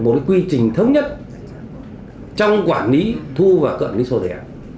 một cái quy trình thống nhất trong quản lý thu và cận lý số thẻ